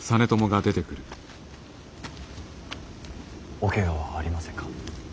おケガはありませんか。